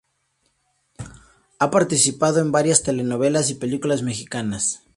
Ha participado en varias telenovelas y películas mexicanas.